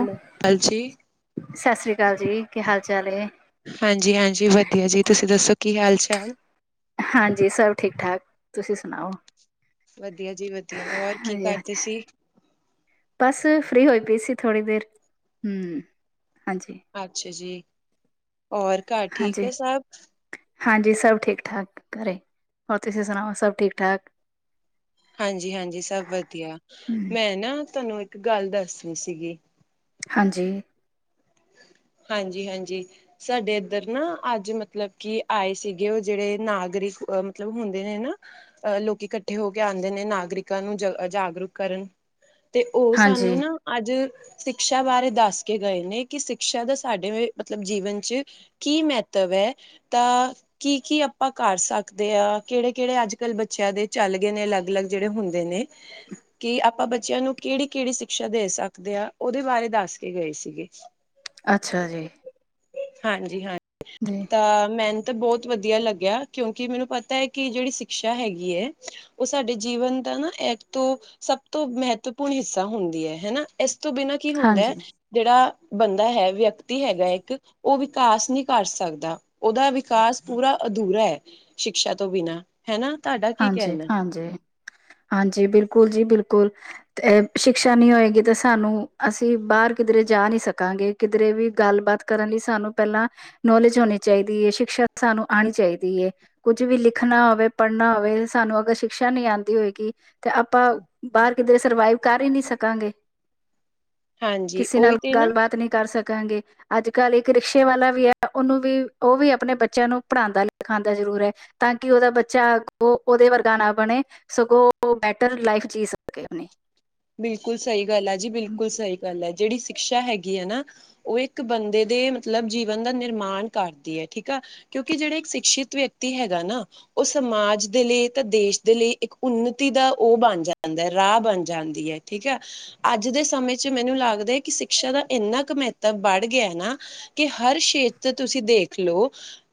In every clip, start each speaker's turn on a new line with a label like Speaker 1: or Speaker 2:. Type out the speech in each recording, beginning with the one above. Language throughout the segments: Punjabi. Speaker 1: ਹੈਲੋ ਹਾਂਜੀ
Speaker 2: ਸਤਿ ਸ੍ਰੀ ਅਕਾਲ ਜੀ, ਕੀ ਹਾਲ ਚਾਲ ਏ
Speaker 1: ਹਾਂਜੀ ਹਾਂਜੀ ਵਧੀਆ ਜੀ, ਤੁਸੀਂ ਦੱਸੋ ਕੀ ਹਾਲ ਚਾਲ
Speaker 2: ਹਾਂਜੀ ਸਭ ਠੀਕ ਠਾਕ ਤੁਸੀਂ ਸੁਣਾਓ
Speaker 1: ਵਧੀਆ ਜੀ ਵਧੀਆ, ਹੋਰ ਕੀ
Speaker 2: ਹਾਂਜੀ
Speaker 1: ਕਰਦੇ
Speaker 2: ਹਾਂਜੀ
Speaker 1: ਸੀ
Speaker 2: ਬਸ ਫ੍ਰੀ ਹੋਈ ਪਈ ਸੀ ਥੋੜ੍ਹੀ ਦੇਰ ਹੂ ਹਾਂਜੀ
Speaker 1: ਅੱਛਾ ਜੀ ਹੋਰ ਘਰ ਠੀਕ
Speaker 2: ਹਾਂਜੀ
Speaker 1: ਹੈ ਸਬ
Speaker 2: ਹਾਂਜੀ ਸਭ ਠੀਕ ਠਾਕ ਘਰੇ, ਹੋਰ ਤੁਸੀਂ ਸੁਣਾਓ ਸਭ ਠੀਕ ਠਾਕ
Speaker 1: ਹਾਂਜੀ ਹਾਂਜੀ ਸਭ ਵਧੀਆ
Speaker 2: ਹਮ
Speaker 1: ਮੈਂ ਨਾ ਤੁਹਾਨੂੰ ਇੱਕ ਗੱਲ ਦੱਸਨੀ ਸੀਗੀ
Speaker 2: ਹਾਂਜੀ
Speaker 1: ਹਾਂਜੀ ਹਾਂਜੀ ਸਾਡੇ ਇੱਧਰ ਨਾ ਅੱਜ ਮਤਲਬ ਕਿ ਆਏ ਸੀਗੇ, ਉਹ ਜਿਹੜੇ ਨਾਗਰਿਕ ਮਤਲਬ ਹੁੰਦੇ ਨੇ ਨਾ ਅਹ ਲੋਕੀ ਇਕੱਠੇ ਹੋ ਕੇ ਆਉਂਦੇ ਨੇ ਨਾਗਰਿਕਾਂ ਨੂੰ ਜਾ ਜਾਗਰੂਕ ਕਰਣ ਤੇ ਉਹ ਸਾਨੂੰ
Speaker 2: ਹਾਂਜੀ
Speaker 1: ਨਾ ਅੱਜ ਸਿਕਸ਼ਾ ਬਾਰੇ ਦੱਸ ਕੇ ਗਏ ਨੇ ਕਿ ਸਿਕਸ਼ਾ ਦਾ ਸਾਡੇ, ਏ, ਮਤਲਬ ਜੀਵਨ ਚ' ਕੀ ਮੈਤਵ ਆ, ਤਾਂ ਕੀ- ਕੀ ਆਪਾਂ ਕਰ ਸਕਦੇ ਆ, ਕੇੜੇ ਕੇੜੇ ਅੱਜ- ਕੱਲ੍ਹ ਬੱਚੇਆਂ ਦੇ ਚੱਲ ਗਏ ਨੇ ਅਲੱਗ-ਅਲੱਗ ਜੇੜੇ ਹੁੰਦੇ ਨੇ। ਕੀ ਆਪ ਆਪਾਂ ਬੱਚੇਆਂ ਨੂੰ ਕੇੜੀ- ਕੇੜੀ ਸਿਕਸ਼ਾ ਦੇ ਸਕਦੇ ਆ, ਓਦੇ ਬਾਰੇ ਦੱਸ ਕੇ ਗਏ ਸੀਗੇ।
Speaker 2: ਅੱਛਾ- ਜੀ।
Speaker 1: ਹਾਂਜੀ- ਹਾਂਜੀ।
Speaker 2: ਜੀ।
Speaker 1: ਤਾਂ ਮੈੰਨੂੰ ਤਾ ਬੋਤ ਵਧੀਆ ਲੱਗੇਆ, ਕਿਓਕਿ ਮੈਨੂੰ ਪਤਾ ਐ ਕਿ ਜੇੜੀ ਸਿਕਸ਼ਾ ਹੈਗੀ ਏ ਓ ਸਾਡੇ ਜੀਵਨ ਦਾ ਨਾ ਏਕ ਤੋਂ ਸਭ ਤੋਂ ਮਹੱਤਵਪੂਰਨ ਹਿੱਸਾ ਹੁੰਦੀ ਆ ਹਨਾ, ਇਸ ਇਸ ਤੋਂ ਬਿਨਾਂ ਕੀ ਹੁੰਦਾ ਏ,
Speaker 2: ਹਾਂਜੀ
Speaker 1: ਜੇੜਾ ਬੰਦਾ ਹੈ, ਵਿਅਕਤੀ ਹੈਗਾ ਇੱਕ ਓ ਵਿਕਾਸ ਨਈ ਕਰ ਸਕਦਾ, ਓਦਾ ਵਿਕਾਸ ਪੂਰਾ ਅਧੂਰਾ ਐ। ਸ਼ਿਕਸ਼ਾ ਤੋਂ ਬਿਨਾਂ ਹੈ, ਨਾ ਤਾਡਾ ਕੀ
Speaker 2: ਹਾਂਜੀ
Speaker 1: ਕੈਣਾ।
Speaker 2: ਹਾਂਜੀ। ਹਾਂਜੀ ਬਿਲਕੁਲ ਜੀ ਬਿਲਕੁਲ। ਤੇ ਏ ਸ਼ਿਕਸ਼ਾ ਨਈ ਹੋਏਗੀ, ਤਾਂ ਸਾਨੂੰ ਅਸੀਂ ਬਾਰ ਕਿਧਰੇ ਜਾ ਨਈ ਸਕਾਂਗੇ। ਕਿਧਰੇ ਵੀ ਗੱਲਬਾਤ ਕਰਨ ਲਈ ਸਾਨੂੰ ਪੇਲਾਂ ਨੌਲੇਜ ਹੋਣੀ ਚਾਈਦੀ ਏ, ਸ਼ਿਕਸ਼ਾ ਤਾ ਸਾਨੂੰ ਆਣੀ ਚਾਈਦੀ ਏ, ਕੁੱਝ ਵੀ ਲਿਖਣਾ ਹੋਵੇ ਪ ੜ੍ਹਨਾ ਹੋਵੇ, ਸਾਨੂੰ ਅਗਰ ਸ਼ਿਕਸ਼ਾ ਨਈ ਆਂਦੀ ਹੋਏਗੀ ਤੇ ਆਪਾਂ ਬਾਰ ਕਿਧਰੇ ਸਰਵਾਈਵ ਕਰ ਈ ਨੌਸਕਾਂਗੇ
Speaker 1: ਹਾਂਜੀ
Speaker 2: ਕਿਸੇ ਨਾਲ
Speaker 1: ਉਹੀ ਤੇ ਨਾ
Speaker 2: ਗੱਲਬਾਤ ਨਈ ਕਰ ਸਕਾਂਗੇ। ਅੱਜ -ਕੱਲ੍ਹ ਇੱਕ ਰਿਕਸ਼ੇ ਵਾਲਾ ਵੀ ਐ, ਓਨੂੰ ਵੀ, ਓ ਵੀ ਆਪਣੇ ਬੱਚੇਆਂ ਨੂੰ ਪੜ੍ਹਾਂਦਾ ਲਿਖਾਂਦਾ ਜ਼ਰੂਰ ਏ। ਤਾਂ ਕਿ ਓਦਾ ਬੱਚਾ ਚ ਕੋ ਓਦੇ ਵਰਗਾ ਨਾ ਬਣੇ, ਸਗੋਂ ਓ ਬੈਟਰ ਲਾਈਫ ਜੀਅ ਸਕੇ ਆਪਣੀ।
Speaker 1: ਬਿਲਕੁਲ ਸਈ ਗੱਲ ਆ ਜੀ, ਬਿਲਕੁਲ ਸਈ ਗੱਲ ਆ, ਜੇੜੀ ਸ਼ੀਕਸ਼ਾ ਹੈਗੀ ਐ, ਨਾ ਓ ਇੱਕ ਬੰਦੇ ਦੇ ਮਤਲਬ ਜੀਵਨ ਦਾ ਨਿਰਮਾਣ ਕਰਦੀ ਐ, ਠੀਕ ਆ। ਕਿਉਂਕਿ ਜੇੜੇ ਇੱਕ ਸ਼ਿਕਸ਼ਿਤ ਵਿਅਕਤੀ ਹੈਗਾ ਨਾ ਓ ਸਮਾਜ ਦੇ ਲਈ ਤਾਂ ਦੇਸ਼ ਦੇ ਲਈ ਇੱਕ ਉੱਨਤੀ ਦਾ ਓ ਬਣ ਜਾਂਦਾ, ਰਾਹ ਬਣ ਜਾਂਦਾ। ਜੀ ਹਾ, ਠੀਕ ਆ। ਅੱਜ ਦੇ ਸਮੇਂ ਚ ਮੈਨੂੰ ਲੱਗਦਾ ਐ ਕਿ ਸਿਕਸ਼ਾ ਦਾ ਇੰਨਾ ਕ ਮਹੱਤਵ ਬੜ ਗੇਆ ਨਾ ਕੇ ਹਰ ਸ਼ੇਤਰ ਤੁਸੀਂ ਦੇਖ ਲਓ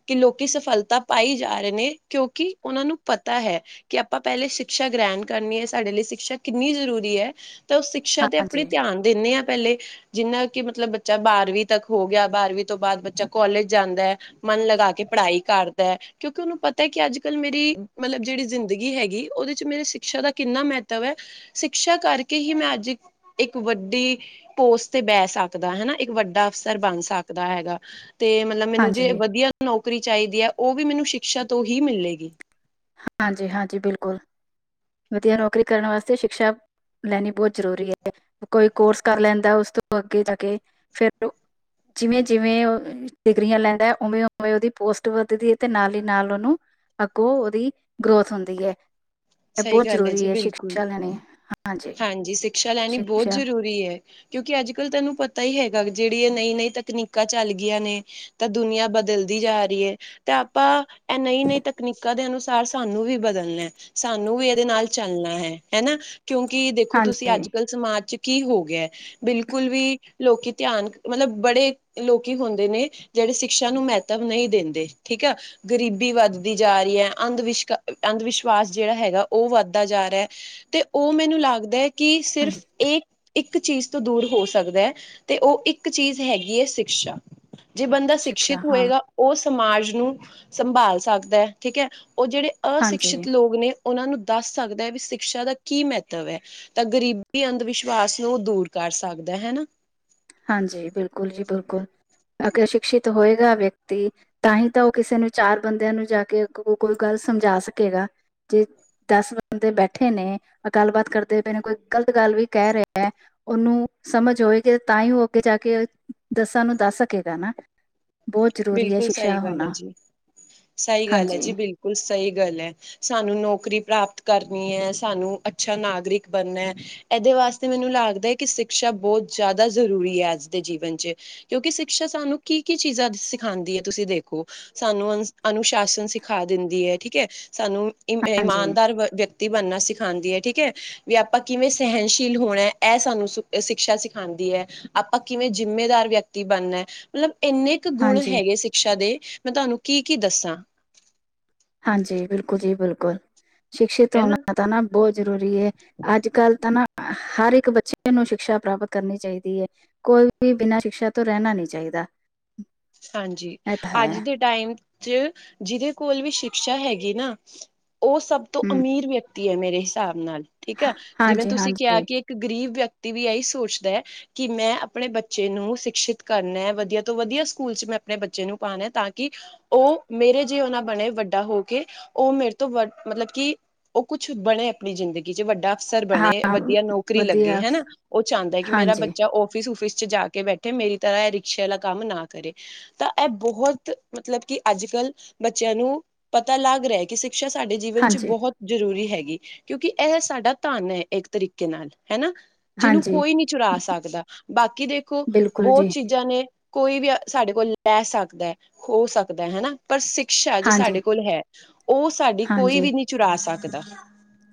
Speaker 1: ਕਿ ਲੋਕੀ ਸਫਲਤਾ ਪਾਈ ਜਾ ਰਏ ਨੇ, ਕਿਓਕਿ ਓਨਾਂ ਨੂੰ ਪਤਾ ਹੈ। ਕੇ ਆਪਾਂ ਪੇਲੇ ਸ਼ਿਕਸ਼ਾ ਗ੍ਰਹਿਣ ਕਰਨੀ ਏ, ਸਾਡੇ ਲਈ ਸ਼ਿਕਸ਼ਾ ਕਿੰਨੀ ਜ਼ਰੂਰੀ ਹੁੰਦੀ ਐ, ਤਾਂ ਓ ਸਿਕਸ਼ਾ ਤੇ ਆਪਣੇ
Speaker 2: ਹਾਂਜੀ
Speaker 1: ਧਿਆਨ ਦਿੰਦੇ ਆ ਪੇਲੇ। ਜਿੰਨਾ ਕਿ ਮਤਲਬ ਬੱਚਾ ਬਾਰਵੀਂ ਤੱਕ ਹੋ ਗੇਆ, ਬਾਰਵੀਂ ਤੋਂ ਬਾਅਦ ਬੱਚਾ ਕੋਲਜ ਜਾਂਦਾ। ਮਨ ਲਗਾ ਕੇ ਪੜ੍ਹਾਈ ਕਰਦਾ। ਕਿਓਕਿ ਓਨੂੰ ਪਤਾ ਐ ਕਿ ਅੱਜ -ਕੱਲ੍ਹ ਮੇਰੀ ਮਤਲਬ ਜੇੜੀ ਜ਼ਿੰਦਗੀ ਹੈਗੀ, ਓਦੇ ਚ ਮੇਰੇ ਸਿਕਸ਼ਾ ਦਾ ਕਿੰਨਾ ਮੈਤਵ ਆ। ਸਿਕਸ਼ਾ ਕਰਕੇ ਹੀ ਮੈਂ ਅੱਜ ਇੱਕ, ਇੱਕ ਵੱਡੀ ਪੋਸਟ ਤੇ ਬੈ ਸਕਦਾ ਹਨਾ, ਇੱਕ ਵੱਡਾ ਅਫਸਰ ਬਣ ਸਕਦਾ ਹੈਗਾ ਤੇ ਮਤਲਬ ਮੈਨੂੰ ਜੇ
Speaker 2: ਹਾਂਜੀ
Speaker 1: ਵਧੀਆਂ ਨੌਕਰੀ ਚਾਈਦੀ ਐ, ਓ ਵੀ ਮੈਨੂੰ ਸ਼ਿਕਸ਼ਾ ਤੋਂ ਓਹੀ ਮਿਲੇਗੀ।
Speaker 2: ਹਾਂਜੀ- ਹਾਂਜੀ ਬਿਲਕੁਲ, ਵੱਧੀਆ ਨੌਕਰੀ ਕਰਨ ਵਾਸਤੇ ਸ਼ਿਕਸ਼ਾ ਲੈਣੀ ਬੋਤ ਜ਼ਰੂਰੀ ਆ, ਕੋਈ ਕੋਰਸ ਕਰ ਲੈਂਦਾ ਉਸ ਤੋਂ ਅੱਗੇ ਦਾ ਅੱਗੇ, ਫੇਰ ਜਿਵੇਂ- ਜਿਵੇਂ ਓ ਡਿਗਰੀਆਂ ਲੈਂਦਾ, ਓਵੇਂ -ਓਵੇਂ ਓਦੀ ਪੋਸਟ ਵੱਧਦੀ ਏ, ਤੇ ਨਾਲ ਈ ਨਾਲ ਓਨੂੰ ਅੱਗੋਂ ਓਦੀ ਗਰੋਥ ਹੁੰਦੀ ਏ, ਏ
Speaker 1: ਸਹੀ
Speaker 2: ਬੋਤ
Speaker 1: ਗੱਲ ਹੈ ਜੀ
Speaker 2: ਜ਼ਰੂਰੀ ਆ
Speaker 1: ਬਿਲਕੁਲ
Speaker 2: ਸ਼ਿਕਸ਼ਾ ਲੈਣੀ। ਹਾਂਜੀ।
Speaker 1: ਹਾਂਜੀ ਸਿਕਸ਼ਾ ਲੈਣੀ ਬਹੁਤ
Speaker 2: ਸਿਕਸ਼ਾ
Speaker 1: ਜ਼ਰੂਰੀ ਹੈ। ਕਿਉਂਕਿ ਅੱਜ ਕੱਲ ਤੈਨੂੰ ਪਤਾ ਹੀ ਹੈਗਾ ਜਿਹੜੀ ਨਹੀਂ ਨਹੀਂ ਤਕਨੀਕਾਂ ਚੱਲ ਗਈਆਂ ਨੇ। ਤਾਂ ਦੁਨੀਆਂ ਬਦਲਦੀ ਜਾ ਰਹੀ ਹੈ। ਤੇ ਆਪਾਂ ਇਹ ਨਈ ਨਈ ਤਕਨੀਕਾਂ ਦੇ ਅਨੁਸਾਰ ਸਾਨੂੰ ਵੀ ਬਦਲਣਾ। ਸਾਨੂੰ ਵੀ ਇਹਦੇ ਨਾਲ ਚੱਲਣਾ ਹੈ ਹਨਾ ਕਿਉਂਕਿ ਦੇਖੋ ਤੁਸੀਂ
Speaker 2: ਹਾਂਜੀ
Speaker 1: ਅੱਜ ਕੱਲ ਸਮਾਜ ਚ ਕੀ ਹੋ ਗਿਆ। ਬਿਲਕੁਲ ਵੀ ਲੋਕੀ ਧਿਆਨ ਮਤਲਬ ਬੜੇ ਲੋਕੀ ਹੁੰਦੇ ਨੇ। ਜਿਹੜੇ ਸ਼ਿਕਸ਼ਾ ਨੂੰ ਮਹੱਤਵ ਨਹੀਂ ਦਿੰਦੇ ਠੀਕ ਆ। ਗ਼ਰੀਬੀ ਵੱਧਦੀ ਜਾ ਰਹੀ ਹੈ ਅੰਧ ਵਿਸ਼ ਅੰਧ ਵਿਸ਼ਵਾਸ ਜਿਹੜਾ ਹੈਗਾ ਉਹ ਵੱਧਦਾ ਜਾ ਰਿਹਾ ਹੈ। ਤੇ ਉਹ ਮੈਨੂੰ ਲੱਗਦਾ ਹੈ ਕਿ
Speaker 2: ਹਾਂਜੀ
Speaker 1: ਸਿਰਫ ਇਹ ਇੱਕ ਇੱਕ ਚੀਜ਼ ਤੋਂ ਦੂਰ ਹੋ ਸਕਦਾ ਹੈ ਤੇ ਉਹ ਇੱਕ ਚੀਜ਼ ਹੈਗੀ ਹੈ ਸਿਕਸ਼ਾ। ਜੇ ਬੰਦਾ
Speaker 2: ਸਿਕਸ਼ਾ
Speaker 1: ਸ਼ਿਕਸ਼ਿਤ
Speaker 2: ਹਾਂ
Speaker 1: ਹੋਏਗਾ। ਉਹ ਸਮਾਜ ਨੂੰ ਸੰਭਾਲ ਸਕਦਾ ਹੈ ਠੀਕ ਹੈ ਉਹ ਜਿਹੜੇ
Speaker 2: ਹਾਂਜੀ
Speaker 1: ਅਸ਼ਿਕਸ਼ਿਤ ਲੋਕ ਨੇ। ਉਹਨਾਂ ਨੂੰ ਦੱਸ ਸਕਦਾ ਹੈ ਵੀ ਸਿਕਸ਼ਾ ਦਾ। ਕੀ ਮਹੱਤਵ ਹੈ ਤਾਂ ਗ਼ਰੀਬੀ ਅੰਧ ਵਿਸ਼ਵਾਸ ਨੂੰ ਉਹ ਦੂਰ ਕਰ ਸਕਦਾ ਹਨਾ।
Speaker 2: ਹਾਂਜੀ ਬਿਲਕੁਲ ਜੀ ਬਿਲਕੁਲ ਅੱਗੇ ਸ਼ਿਕਸ਼ਿਤ ਹੋਏਗਾ ਵਿਅਕਤੀ। ਤਾਂ ਹੀ ਤਾਂ ਉਹ ਕਿਸੇ ਨੂੰ ਚਾਰ ਬੰਦਿਆਂ ਨੂੰ ਜਾ ਕੇ ਕੋਈ ਗੱਲ ਸਮਝਾ ਸਕੇਗਾ ਜੇ ਦਸ ਬੰਦੇ ਬੈਠੇ ਨੇ ਗੱਲਬਾਤ ਕਰਦੇ ਪਏ ਨੇ ਕੋਈ ਗ਼ਲਤ ਗੱਲ ਵੀ ਕਹਿ ਰਿਹਾ ਹੈ। ਉਹਨੂੰ ਸਮਝ ਹੋਵੇਗੀ ਤਾਂ ਹੀ ਉਹ ਅੱਗੇ ਜਾ ਕੇ ਦੱਸਾਂ ਨੂੰ ਦੱਸ ਸਕੇਗਾ ਨਾ। ਬਹੁਤ ਜ਼ਰੂਰੀ ਹੈ
Speaker 1: ਬਿਲਕੁਲ ਸਹੀ
Speaker 2: ਸਿਕਸ਼ਾ
Speaker 1: ਗੱਲ ਹੈ
Speaker 2: ਹੋਣਾ
Speaker 1: ਜੀ ਸਹੀ ਗੱਲ ਹੈ
Speaker 2: ਹਾਂਜੀ
Speaker 1: ਜੀ ਬਿਲਕੁਲ ਸਹੀ ਗੱਲ ਹੈ। ਸਾਨੂੰ ਨੌਕਰੀ ਪ੍ਰਾਪਤ ਕਰਨੀ ਹੈ ਸਾਨੂੰ ਅੱਛਾ ਨਾਗਰਿਕ ਬਣਨਾ। ਇਹਦੇ ਵਾਸਤੇ ਮੈਨੂੰ ਲੱਗਦਾ ਹੈ ਕਿ ਸਿਕਸ਼ਾ ਬਹੁਤ ਜ਼ਿਆਦਾ ਜ਼ਰੂਰੀ ਹੈ ਅੱਜ ਦੇ ਜੀਵਨ ' ਕਿਉਂਕਿ ਸਿਕਖਸ਼ਾ ਸਾਨੂੰ ਕੀ ਕੀ ਚੀਜ਼ਾਂ ਸ ਸਿਖਾਉਦੀ ਹੈ ਤੁਸੀਂ ਦੇਖੋ ਸਾਨੂੰ ਅਨ ਅਨੁਸ਼ਾਸਨ ਸਿਖਾ ਦਿੰਦੀ ਹੈ ਠੀਕ ਹੈ ਸਾਨੂੰ।
Speaker 2: ਹਾਂਜੀ
Speaker 1: ਇਮਾਨਦਾਰ ਵਿਅਕਤੀ ਬਣਨਾ ਸਿਖਾਉਂਦੀ ਹੈ ਠੀਕ ਹੈ। ਵੀ ਆਪਾਂ ਕਿਵੇਂ ਸਹਿਣਸ਼ੀਲ ਹੋਣਾ ਇਹ ਸਾਨੂੰ ਸਿਕਸ਼ਾ ਸਿਖਾਉਂਦੀ ਹੈ। ਆਪਾਂ ਕਿਵੇਂ ਜਿੰਮੇਦਾਰ ਵਿਅਕਤੀ ਬਣਨਾ ਮਤਲਬ ਇੰਨੇ ਗੁਣ
Speaker 2: ਹਾਂਜੀ
Speaker 1: ਹੈਗੇ ਸ਼ਿਕਸ਼ਾ ਦੇ ਮੈਂ ਤੁਹਾਨੂੰ ਕੀ ਕੀ ਦੱਸਾਂ
Speaker 2: ਹਾਂਜੀ ਬਿਲਕੁਲ ਜੀ ਬਿਲਕੁਲ ਸ਼ਿਕਸ਼ਿਤ
Speaker 1: ਹਨਾ
Speaker 2: ਹੋਣਾ ਤਾਂ ਨਾ ਬਹੁਤ ਜ਼ਰੂਰੀ ਹੈ। ਅੱਜ ਕੱਲ ਤਾਂ ਨਾ ਹਰ ਇੱਕ ਬੱਚੇ ਨੂੰ ਸ਼ਿਕਸ਼ਾ ਪ੍ਰਾਪਤ ਕਰਨੀ ਚਾਹੀਦੀ ਹੈ। ਕੋਈ ਵੀ ਬਿਨਾ ਸ਼ਿਕਸ਼ਾ ਤੋਂ ਰਹਿਣਾ ਨਹੀਂ ਚਾਹੀਦਾ-
Speaker 1: ਹਾਂਜੀ
Speaker 2: ਇਹ ਤਾਂ ਹੈ
Speaker 1: ਅੱਜ ਦੇ ਟਾਈਮ- ਜਿਹਦੇ ਕੋਲ ਵੀ ਸ਼ਿਕਸ਼ਾ ਹੈਗੀ ਨਾ ਉਹ ਸਭ ਤੋ
Speaker 2: ਹਮ
Speaker 1: ਅਮੀਰ ਵਿਅਕ ਤੀ ਹੈ। ਮੇਰੇ ਹਿਸਾਬ ਨਾਲ ਠੀਕ ਹੈ। ਜਿਵੇਂ
Speaker 2: ਹਾਂਜੀ
Speaker 1: ਤੁਸੀਂ ਕਿਹਾ
Speaker 2: ਹਾਂਜੀ
Speaker 1: ਕਿ ਇੱਕ ਗਰੀਬ ਵਿਅਕਤੀ ਵੀ ਇਹੀ ਸੋਚਦਾ ਐ। ਕਿ ਮੈ ਆਪਣੇ ਬੱਚੇ ਨੂੰ ਸ਼ਿਕਸ਼ਿਤ ਕਰਨਾ ਵਧੀਆ ਤੋ ਵਧੀਆ- ਸਕੂਲ 'ਚ ਮੈ ਆਪਣੇ ਬੱਚੇ ਨੂੰ ਪਾਉਣਾ ਤਾਂ ਕਿ- ਉਹ ਮੇਰੇ ਜੇ ਉਹਨਾ ਬਣੇ ਵਡਾ ਹੋ ਕੇ ਉਹ ਮੇਰੇ ਤੋ ਵ ਮਤਲਬ ਕਿ- ਉਹ ਕੁੱਛ ਬਣੇ- ਆਪਣੀ ਜ਼ਿਦਗੀ 'ਚ ਵੱਡਾ ਅਫਸਰ ਬਣੇ
Speaker 2: ਹਾਂ
Speaker 1: ਵਧੀਆ ਨੌਕਰੀ ਲਗੇ
Speaker 2: ਵਧੀਆ
Speaker 1: ਹਨਾ ਉਹ ਚਾਹੁੰਦਾ ਕਿ ਮੇਰਾ
Speaker 2: ਹਾਂਜੀ
Speaker 1: ਬੱਚਾ ਉਹ- ਆਫਿਸ ਆਫਿਸ 'ਚ ਜਾ ਕੇ ਬੈਠੇ ਮੇਰੀ ਤਰ੍ਹਾਂ ਇਹ ਰਿਕਸ਼ ਵਾਲਾ ਕੰਮ ਨਾ- ਕਰੇ ਤਾਂ ਇਹ ਬਹੁਤ ਮਤਲਬ ਕਿ ਅੱਜ ਕੱਲ ਬੱਚਿਆਂ ਨੂੰ- ਪਤਾ ਲੱਗ ਰਿਹਾ ਕਿ ਸ਼ਿਕਸ਼ਾ ਸਾਡੇ ਜੀਵਨ 'ਚ
Speaker 2: ਹਾਂਜੀ
Speaker 1: ਬਹੁਤ- ਜਰੂਰੀ ਹੈਗੀ ਕਿਉਂਕਿ ਇਹ ਸਾਡਾ ਧਨ ਹੈ। ਇੱਕ ਤਰੀਕੇ ਨਾਲ ਹਨਾ- ਜਿਹਨੂੰ
Speaker 2: ਹਾਂਜੀ
Speaker 1: ਕੋਈ ਨਹੀਂ ਚੁਰਾ ਸਕਦਾ ਬਾਕੀ ਦੇਖੋ
Speaker 2: ਬਿਲਕੁਲ
Speaker 1: ਬਹੁਤ
Speaker 2: ਜੀ
Speaker 1: ਚੀਜਾ ਨੇ ਕੋਈ ਵੀ- ਸਾਡੇ ਕੋਲ ਲੈ ਸਕਦਾ ਖੋਹੋੋ ਸਕਦਾ ਹਨਾ- ਪਰ ਸਿਕਸ਼ਾ ਜੇ
Speaker 2: ਹਾਂਜੀ
Speaker 1: ਸਾਡੇ ਕੋਲ ਹੈ। ਉਹ ਸਾਡੀ ਕੋਈ
Speaker 2: ਹਾਂਜੀ
Speaker 1: ਵੀ ਨਹੀ ਚੁਰਾ ਸਕਦਾ-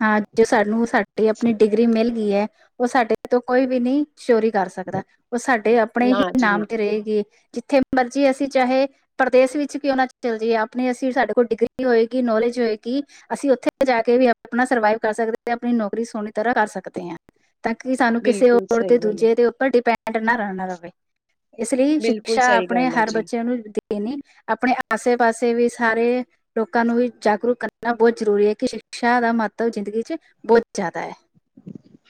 Speaker 2: ਹਾਂ ਜੋ ਸਾਨੂੰ ਸਾਡੀ ਆਪਣੀ ਡਿਗਰੀ ਮਿਲ ਗਈ ਹੈ। ਉਹ ਸਾਡੇ ਤੋ ਕੋਈ ਵੀ ਨਹੀ ਚੋਰੀ ਕਰ ਸਕਦਾ - ਸਕਦਾ ਉਹ ਸਾਡੇ ਆਪਣੇ ਹੀ
Speaker 1: ਨਾ ਜੀ
Speaker 2: ਨਾਮ
Speaker 1: ਨਾ
Speaker 2: ਤੇ ਰਹੇਗੀ ਜਿਥੇ ਮਰਜੀ ਅਸੀ ਚਾਹੇ- ਪਰਦੇਸ ਵਿਚ ਕਿਉ ਨਾ ਚਲਾ ਜਾਈਏ ਆਪਣੀ ਅਸੀ ਸਾਡੇ ਕੋਲ ਡਿਗਰੀ ਹੋਏਗੀ ਨੋਲੇਜ ਹੋਏਗੀ- ਅਸੀ ਉਥੇ ਜਾ ਕੇ ਵੀ ਆਪਣਾ ਸਰਵਾਈਵ ਕਰ ਸਕਦੇ ਹ ਆਪਣੀ ਨੋਕਰੀ ਸੋਹਣੀ ਤਰ੍ਹਾਂ ਕਰ ਸਕਦੇ ਹਾਂ। ਤਾਂ ਕਿ ਸਾਨੂੰ ਕਿਸੇ
Speaker 1: ਬਿਲਕੁਲ
Speaker 2: ਹੋਰ
Speaker 1: ਸਹੀ
Speaker 2: ਤੇ
Speaker 1: ਗੱਲ ਹੈ
Speaker 2: ਦੂਜੇ ਦੇ ਉਪਰ ਡਿਪੈਡ ਨਾ ਰਹਿਣਾ ਪਵੇ - ਇਸ ਲਈ
Speaker 1: ਬਿਲਕੁਲ
Speaker 2: ਸ਼ਿਕਸ਼ਾ
Speaker 1: ਸਹੀ
Speaker 2: ਆਪਣੇ
Speaker 1: ਗੱਲ ਹੈ
Speaker 2: ਹਰ
Speaker 1: ਜੀ
Speaker 2: ਬੱਚਿਆਂ ਨੂੰ- ਨ ਆਪਣੇ ਆਸੇ ਪਾਸੇ ਵੀ ਸਾਰੇ- ਲੋਕਾ ਨੂੰ ਵੀ ਜਾਗਰੂਕ ਕਰਨਾ ਬਹੁਤ ਜਰੂਰੀ ਹੈ। ਕਿ ਸ਼ਿਕਸ਼ਾ ਦਾ ਮਹੱਤਵ ਜਿਦਗੀ -ਚ ਬਹੁਤ ਜਿਆਦਾ ਹੈ।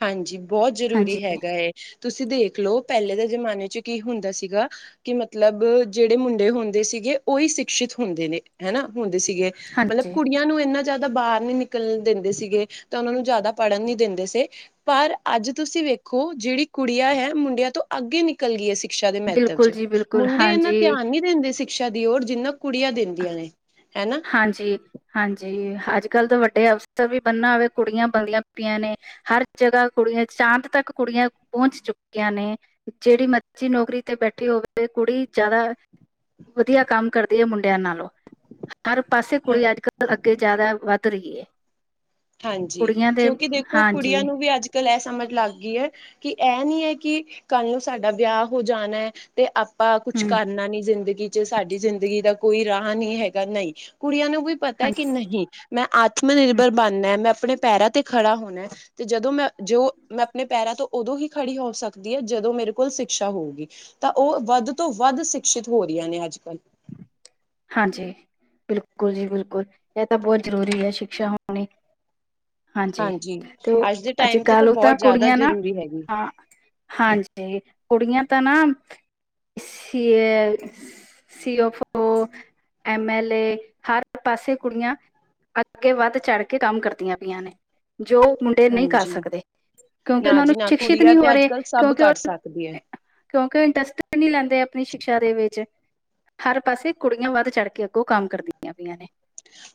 Speaker 1: ਹਾਂਜੀ ਬਹੁਤ
Speaker 2: ਹਾਂਜੀ
Speaker 1: ਜਰੂਰੀ ਹੈਗਾ ਹ ਤੁਸੀ ਦੇਖ ਲਓ ਪਹਿਲੇ ਦੇ ਜਮਾਨੇ 'ਚ ਕੀ ਹੁੰਦਾ ਸੀਗਾ। ਕਿ ਮਤਲਬ ਜਿਹੜੇ ਮੁੰਡੇ ਹੁੰਦੇ ਸੀਗੇ ਉਹੀ ਸ਼ਿਕਸ਼ਿਤ ਹੁੰਦੇ ਨੇ ਹਨਾ ਹੁੰਦੇ ਸੀਗੇ- ਮਤਲਬ
Speaker 2: ਹਾਂਜੀ
Speaker 1: ਕੁੜੀਆਂ ਨੂੰ ਇੰਨਾ ਜਿਆਦਾ ਬਾਹਰ ਨੀ ਨਿਕਲਣ ਦਿੰਦੇ ਸੀਗੇ ਤੇ ਉਹਨਾ ਨੂੰ ਜਿਆਦਾ ਪੜਨ ਨੀ ਦਿੰਦੇ ਸੀ। ਪਰ ਅਜ ਤੁਸੀ ਵੇਖੋ ਜਿਹੜੀ ਕੁੜੀਆਂ ਹੈ। ਮੁੰਡਿਆਂ ਤੋ- ਅੱਗੇ ਨਿਕਲ ਗਈ ਹੈ। ਸਿਕਸ਼ਾ ਦੇ ਮਹੱਤਵ
Speaker 2: ਬਿਲਕੁਲ
Speaker 1: 'ਚ
Speaker 2: ਜੀ ਬਿਲਕੁਲ
Speaker 1: ਮੁੰਡੇ ਇਨਾ
Speaker 2: ਹਾਂਜੀ
Speaker 1: ਧਿਆਨ ਨੀ ਦਿੰਦੇ ਸਿਕਸ਼ਾ ਦੀ ਔਰ ਜਿਨਾ- ਕੁੜੀਆਂ ਦਿੰਦੀਆਂ ਨੇ ਹਨਾ-
Speaker 2: ਹਾਂਜੀ- ਹਾਂਜੀ ਅਜ ਕਲ ਤਾਂ ਵਡੇ ਅਫਸਰ ਵੀ ਬਣਨਾ ਹੋਵੇ ਕੁੜੀਆਂ ਬਣਦੀਆਂ ਪਈਆਂ ਨੇ- ਹਰ ਜਗ੍ਹਾ ਕੁੜੀਆਂ ਚਾਂਦ ਤਕ ਕੁੜੀਆਂ ਪਹੁੰਚ ਚੁੱਕੀਆਂ ਨੇ- ਜਿਹੜੀ ਮਰਜ਼ੀ ਨੋਕਰੀ ਤੇ ਬੈਠੀ ਹੋਵੇ ਕੁੜੀ ਜਿਆਦਾ- ਵਧੀਆ ਕਮ ਕਰਦੀ ਹੈ। ਮੁੰਡਿਆਂ ਨਾਲੋ- ਹਰ ਪਾਸੇ ਕੁੜੀ ਅਜ ਕਲ ਅਗੇ ਜਿਆਦਾ ਵੱਧ ਰਹੀ ਏ।
Speaker 1: ਹਾਂਜੀ ਕਿਉਕਿ ਦੇਖੋ ਕੁੜੀਆਂ ਨੂੰ ਵੀ ਅਜ ਕਲ ਇਹ ਸਮਝ ਲਗ ਗਈ ਐ। ਕਿ ਇਹ ਨੀ ਐ। ਕਿ ਕਲ ਨੂੰ ਸਾਡਾ ਵਿਆਹ ਹੋ ਜਾਣਾ ਐ ਤੇ- ਆਪਾ ਕੁਛ
Speaker 2: ਹੂੰ
Speaker 1: ਕਰਨਾ ਨੀ ਜਿਦਗੀ 'ਚ ਸਾਡੀ ਜਿਦਗੀ ਦਾ ਕੋਈ ਰਾਹ ਨੀ ਹੈਗਾ ਨਹੀ ਕੁੜੀਆਂ ਨੂੰ ਵੀ- ਪਤਾ
Speaker 2: ਹਾਂਜੀ
Speaker 1: ਕਿ ਨਹੀ ਮੈ ਆਤਮ
Speaker 2: ਹੂੰ
Speaker 1: ਨਿਰਭਰ ਬਣਨਾ ਮੈ ਆਪਣੇ ਪੈਰਾਂ ਤੇ ਖੜਾ ਹੋਣਾ ਤੇ ਜਦੋ ਮੈ- ਜੇ ਮੈ ਆਪਣੇ ਪੈਰਾਂ ਤੋ ਉਦੋ ਹੀ ਖੜੀ ਹੋ ਸਕਦੀ ਆਂ। ਜਦੋ ਮੇਰੇ ਕੋਲ ਸਿਕਸ਼ਾ ਹੋਊਗੀ- ਤਾਂ ਉਹ ਵਧ ਤੋ ਵਧ ਸ਼ਿਕਸ਼ਿਤ ਹੋ ਰਹੀਆਂ ਨੇ ਅਜ ਕਲ-
Speaker 2: ਹਾਂਜੀ ਬਿਲਕੁਲ ਜੀ ਬਿਲਕੁਲ ਇਹ ਤਾਂ ਬਹੁਤ ਜਰੂਰੀ ਹੈ ਸ਼ਿਕਸ਼ਾ ਹੋਣੀ- ਹਾਂਜੀ ਤੇ ਉਹ
Speaker 1: ਅੱਜ ਦੇ ਟਾਈਮ ਤੇ
Speaker 2: ਅਜਕਲ ਤਾਂ
Speaker 1: ਬਹੁਤ ਜ਼ਿਆਦਾ
Speaker 2: ਕੁੜੀਆਂ ਨਾ
Speaker 1: ਜ਼ਰੂਰੀ ਹੈਗੀ
Speaker 2: ਹਾਂ- ਹਾਂਜੀ ਕੁੜੀਆਂ ਤਾਂ ਨਾ- ਸੀਫ ਐਮ ਐਲ ਏ ਹਰ ਪਾਸੇ ਕੁੜੀਆਂ- ਅਗੇ ਵਧ ਚੜ ਕੇ ਕਮ ਕਰਦੀਆਂ ਪਈਆਂ ਨੇਜੋ ਮੁੰ- [unintelligible] ਨਹੀ ਕਰ
Speaker 1: ਹਾਂਜੀ
Speaker 2: ਸਕਦੇ ਕਿਉਕਿ
Speaker 1: ਨਾ
Speaker 2: ਉਹਨਾ ਨੂੰ
Speaker 1: ਜੀ ਨਾ
Speaker 2: ਸ਼ਿਕਸ਼ਿਤ
Speaker 1: ਕੁੜੀਆਂ
Speaker 2: ਨਹੀ ਹੋ
Speaker 1: ਤੇ ਅੱਜ
Speaker 2: ਰਹੇ
Speaker 1: ਕੱਲ ਸਭ
Speaker 2: ਕਿਉਕਿ
Speaker 1: ਕਰ
Speaker 2: ਉਹ-
Speaker 1: ਸਕਦੀ ਹੈ
Speaker 2: ਕਿਉਕਿ ਉਹ ਇੰਟਰਸਟ ਨਹੀ ਲੈਦੇ ਆਪਣੀ ਸ਼ਿਕਸ਼ਾ ਦੇ ਵਿਚ ਹਰ ਪਾਸੇ- ਕੁੜੀਆਂ ਵਧ ਚੜ ਕੇ ਅੱਗੋ ਕਮ ਕਰਦੀਆਂ ਪਈਆਂ ਨੇ-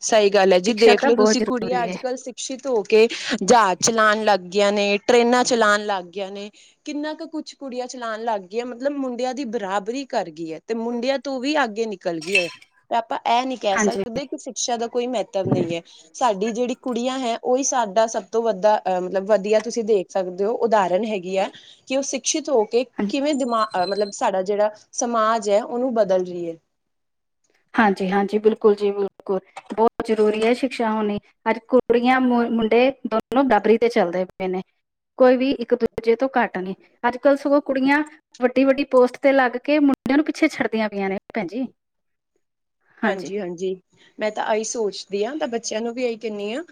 Speaker 1: ਸਹੀ ਗਲ ਹੈ। ਜੀ
Speaker 2: ਸਿੱਖਿਆ
Speaker 1: ਦੇਖ
Speaker 2: ਤਾਂ
Speaker 1: ਲਓ
Speaker 2: ਬਹੁਤ
Speaker 1: ਤੁਸੀ
Speaker 2: ਜ਼ਰੂਰੀ
Speaker 1: ਕੁੜੀਆਂ
Speaker 2: ਹੈ
Speaker 1: ਅਜ ਕਲ ਸਿੱਖ- ਸਿਕਸ਼ਿਤ ਹੋ ਕੇ ਜਹਾਜ਼ ਚਲਾਉਣ ਲੱਗ ਗਆਂ ਨੇ ਟ੍ਰਰੇਨਾਂ ਚਲਾਉਣ ਲੱਗ ਗਆਂ ਨੇ ਕਿੰਨਾ ਕੁ ਕੁਛ ਕੁੜੀਆਂ ਚਲਾਉਣ ਲੱਗ ਗਈਆਂ ਮਤਲਬ ਮੁੰਡਿਆਂ ਦੀ ਬਰਾਬਰੀ ਕਰ ਗਈ ਐਂ ਤੇ ਮੁੰਡਿਆਂ ਤੋਂ ਵੀ ਅੱਗੇ ਨਿਕਲ ਗਈਆਂ ਤਾਂ ਆਪਾਂ ਅਹ ਨੀ ਕਹਿ
Speaker 2: ਹਾਂਜੀ
Speaker 1: ਸਕਦੇ ਦੇ ਕਿ ਸ਼ਿਕਸ਼ਾ ਦਾ ਕੋਈ ਮਹੱਤਵ ਨਈ ਐ ਸਾਡੀ ਜਿਹੜੀ ਕੁੜੀਆਂ ਹੈ ਉਹੀ ਸਾਡਾ ਸਭ ਤੋਂ ਵੱਧਾ ਅ ਮਤਲਬ ਵਧੀਆ ਤੁਸੀਂ ਦੇਖ ਸਕਦੇ ਹੋ ਉਦਾਹਰਨ ਹੈਗੀ ਐ ਕਿ ਉਹ ਸ਼ਿਕਸ਼ਿਤ ਹੋ ਕਿ
Speaker 2: ਹਾਂਜੀ,
Speaker 1: ਕਿਵੇਂ ਦਿਮਾ ਮਤਲਬ ਸਾਡਾ ਜਿਹੜਾ ਸਮਾਜ ਐ ਉਹਨੂੰ ਬਦਲ ਰਹੀਏ
Speaker 2: ਹਾਂਜੀ ਹਾਂਜੀ ਬਿਲਕੁਲ ਜੀ ਬਿਲਕੁਲ ਬਹੁਤ ਜ਼ਰੂਰੀ ਐ ਸ਼ਿਕਸ਼ਾ ਹੋਣੀ ਅੱਜ ਕੁੜੀਆਂ ਮੁੰਡੇ ਦੋਨੋ ਬਰਾਬਰੀ ਤੇ ਚੱਲਦੇ ਪਏ ਨੇ ਕੋਈ ਵੀ ਇੱਕ ਦੂਜੇ ਤੋਂ ਘੱਟ ਨੇ ਅੱਜ ਕੱਲ ਸਗੋਂ ਕੁੜੀਆਂ ਵੱਡੀ-ਵੱਡੀ ਪੋਸਟ ਤੇ ਲੱਗ ਕੇ ਮੁੰਡੇਆਂ ਨੂੰ ਪੀਛੇ ਛੱਡਦੀਆਂ ਪਈਆਂ ਨੇ ਭੈਣਜੀ।
Speaker 1: ਹਾਂਜੀ-ਹਾਂਜੀ ਮੈਂ ਤਾਂ ਆਈ ਸੋਚਦੀ ਹਾਂ ਤਾਂ ਬੱਚੇਆਂ ਨੂੰ ਵੀ ਆਈ ਕੈਨੀ ਆ,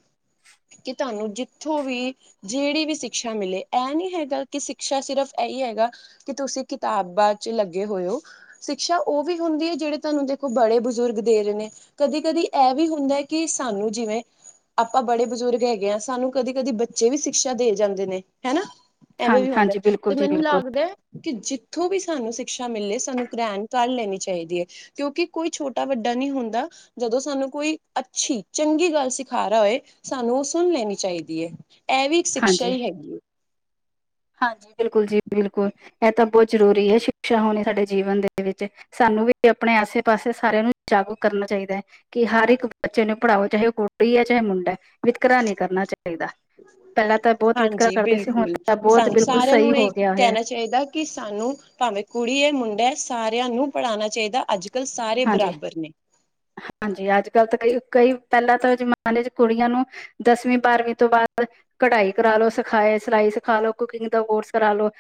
Speaker 1: ਕੀ ਧਾਨੂੰ ਜੀਥੋਂ ਵੀ ਜੇੜੀ ਵੀ ਸੀਕਛਾ ਮੀਲੇ ਐ ਨੀ ਹੈਗਾ ਕੀ ਸੀਕਛਾ ਸੀਰਫ ਐਈ ਹੈਗਾ ਕੇ ਤੁਸੀਂ ਕੇਤਾ ਬਾ ਚ ਲੱਗੇ ਹੋਏ ਓ ਸੀਕਛਾ ਓ ਵੀ ਹੁੰਦੀ ਏ ਜੇੜੇ ਧਾਨੂੰ ਦੇਖੋ ਬੜੇ ਬ ਜ਼ੁਰਗ ਦੇ ਰਏ ਨੇ, ਕਦੀ-ਕਦੀ ਐ ਵੀ ਹੁੰਦਾ ਕੇ ਸਾਨੂੰ ਜੀਵੇਂ ਆਪਾਂ ਬੜੇ ਬਜ਼ੁਰਗ ਹੈਗੇ ਆਂ ਸਾਨੂੰ ਕਦੀ-ਕਦੀ ਬੱਚੇ ਵੀ ਸੀਕਛਾ ਦੇ ਜਾਂਦੇ ਨੇ ਹੈਨਾ,
Speaker 2: ਹਾਂ
Speaker 1: ਐਵੇਂ ਵੀ ਹੁੰਦਾ ਆ,
Speaker 2: ਹਾਂਜੀ ਬਿਲਕੁਲ
Speaker 1: ਤੇ
Speaker 2: ਜੀ
Speaker 1: ਮੈਨੂੰ
Speaker 2: ਬਿਲਕੁਲ
Speaker 1: ਲੱਗਦੈ ਕੇ ਜੀਥੋਂ ਵੀ ਸਾਨੂੰ ਸੀਕਛਾ ਮੀਲੇ ਸਾਨੂੰ ਗ੍ਰੈਣ ਕਰ ਲੇਣੀ ਚਾਈਦੀ ਏ, ਕੇਓਂਕੀ ਕੋਈ ਛੋ ਟਾ ਵੱਡਾ ਨੀ ਹੁੰਦਾ, ਜਦੋਂ ਸਾਨੂੰ ਕੋਈ ਅੱਛੀ, ਚੰਗੀ ਗੱਲ ਸੀਖਾ ਰਾ ਹੋਏ ਸਾਨੂੰ ਓ ਸੁਣ ਲੇਣੀ ਚਾਈਦੀ ਏ, ਐ ਵੀ ਇੱਕ ਸੀਕਛਾ
Speaker 2: ਹਾਂਜੀ
Speaker 1: ਈ ਹੈਗੀ ਏ।
Speaker 2: ਹਾਂਜੀ ਬੇਲਕੁਲ ਜੀ ਬੇਲਕੁਲ, ਐ ਤਾਂ ਬਹੁਤ ਜ਼ਰੂਰੀ ਐ ਛੀਕਛਾ ਹੋਣੀ ਸਾਡੇ ਜੀਵਨ ਦੇ ਵੇਚ। ਸਾਨੂੰ ਵੀ ਆਪਣੇ ਆਸੇ-ਪਾਸੇ ਸਾਰੇਆਂ ਨੂੰ ਜਾਗੂ ਕਰਨਾ ਚਾਈਦਾ ਐ। ਕੀ ਹਾਰੇਕ ਬੱਚੇ ਨੂੰ ਪੜਾਓ ਚਾਹੇ ਓ ਕੁਟੀ ਐ ਚਾਹੇ ਮੁੰਡਾ ਐ। ਵਿਤਕਰਾ ਨੀ ਕਰਨਾ ਚਾਈਦਾ, ਪੈਂਲਾਂ ਤਾਂ ਬੋਤ ਵਿਤਕਰਾ
Speaker 1: ਹਾਂਜੀ
Speaker 2: ਕਰਦੇ ਸੀ ਹੁਣ
Speaker 1: ਬਿਲਕੁਲ
Speaker 2: ਤਾਂ ਬਹੁਤ
Speaker 1: ਸਾਨੂੰ
Speaker 2: ਬਿਲਕੁਲ
Speaker 1: ਸਾਰੇਆਂ
Speaker 2: ਸਹੀ
Speaker 1: ਨੂੰ ਏ
Speaker 2: ਹੋ ਗਿਆ ਹੋਇਆ
Speaker 1: ਕੈਂਣਾ ਚਾ ਚਾਈਦਾ ਕੀ ਸਾਨੂੰ, ਭਾਵੇਂ ਕੁੜੀ ਏ ਮੁੰਡਾ ਏ ਸਾਰੇਆਂ ਨੂੰ ਪੜਾਣਾ ਚਾਈਦਾ ਅੱਜ ਏ ਸਾਰੇ
Speaker 2: ਹਾਂਜੀ
Speaker 1: ਬਰਾਬਰ ਨੇ।
Speaker 2: ਹਾਂਜੀ ਅੱਜ-ਕੱਲ ਤਾਂ ਕਈ, ਕਈ ਪੈਲਾਂ ਤਾਂ ਜ਼ਮਾਨੇ ਚ ਕੁੜੀਆਂ ਨੂੰ ਦਸਵੀਂ ਬਾਰਵੀਂ ਤੋਂ ਬਾਦ ਕਢਾਈ ਕਰਾਲੋ ਸਖਾਏ ਸਲਾਈ ਸਖਾ ਲੋ ਕੁਕੀਂਗ ਦਾ ਕੋਰਸ ਕਰਾਲ ਲੋ